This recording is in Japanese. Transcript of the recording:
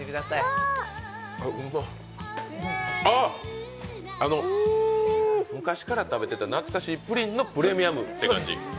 うまっ、昔から食べてた懐かしいプリンのプレミアムって感じ。